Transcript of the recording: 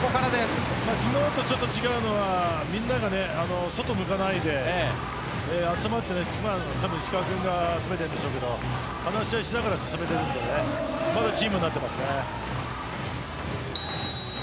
昨日とちょっと違うのはみんなが外を向かないで集まって、たぶん石川君が話し合いをしながら進めているのでチームになっています。